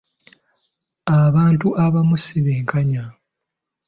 Abantu abamu si benkanya.